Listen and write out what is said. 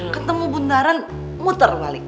ketemu bunderan muter balik